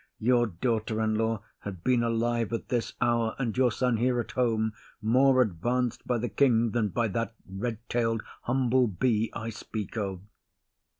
Your daughter in law had been alive at this hour, and your son here at home, more advanc'd by the king than by that red tail'd humble bee I speak of.